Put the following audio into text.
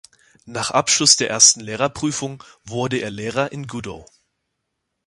Nach Abschluss der ersten Lehrerprüfung wurde er Lehrer in Gudow.